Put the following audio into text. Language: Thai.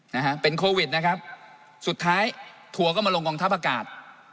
นะฮะเป็นโควิดนะครับสุดท้ายทัวร์ก็มาลงกองทัพอากาศ